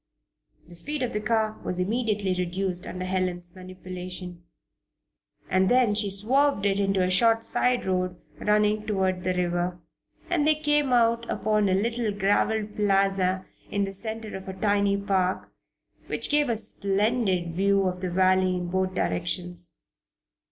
The speed of the car was immediately reduced under Helen's manipulation, and then she swerved it into a short side road running toward the river, and they came out upon a little graveled plaza in the center of a tiny park, which gave a splendid view of the valley in both directions.